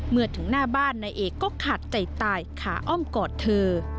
เมื่อถึงหน้าบ้านนายเอกก็ขาดใจตายขาอ้อมกอดเธอ